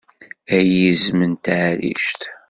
Ay izem n taɛrict!